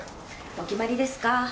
お決まりですか？